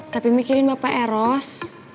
tapi mikirin bapak eros